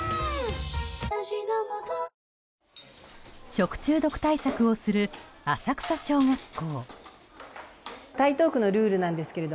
食中毒対策をする浅草小学校。